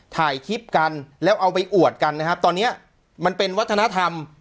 ถ่ายคลิปกันแล้วเอาไปอวดกันนะครับตอนนี้มันเป็นวัฒนธรรม